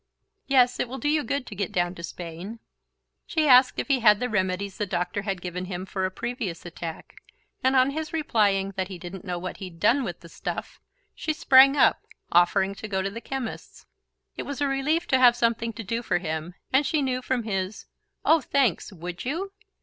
"Yes; it will do you good to get down to Spain." She asked if he had the remedies the doctor had given him for a previous attack, and on his replying that he didn't know what he'd done with the stuff, she sprang up, offering to go to the chemist's. It was a relief to have something to do for him, and she knew from his "Oh, thanks would you?"